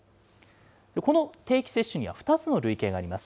この定期接種には２つの類型があります。